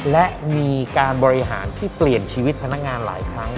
และมีการบริหารที่เปลี่ยนชีวิตพนักงานหลายครั้ง